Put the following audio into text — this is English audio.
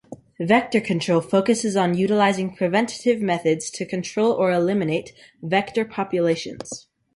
Vector control focuses on utilizing preventative methods to control or eliminate vector populations.